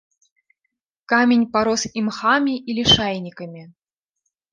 Камень парос імхамі і лішайнікамі.